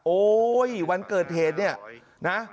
โอ๊ยวันเกิดเหตุเนี่ยนะ